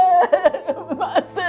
emak sendiri deh